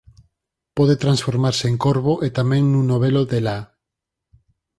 Pode transformarse en corvo e tamén nun novelo de la.